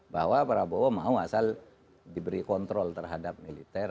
bahwa prabowo mau asal diberi kontrol terhadap militer